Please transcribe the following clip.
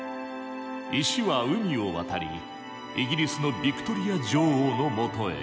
石は海を渡りイギリスのヴィクトリア女王のもとへ。